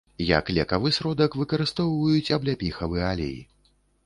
Як лекавы сродак выкарыстоўваюць абляпіхавы алей.